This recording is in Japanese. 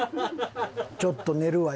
「ちょっと寝るわ」